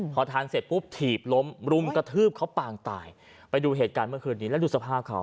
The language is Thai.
พอทานเสร็จปุ๊บถีบล้มรุมกระทืบเขาปางตายไปดูเหตุการณ์เมื่อคืนนี้แล้วดูสภาพเขา